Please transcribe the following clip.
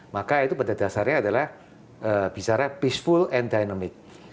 maka itu pada dasarnya adalah bicara peaceful and dynamic